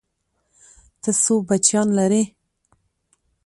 ته څو بچيان لرې؟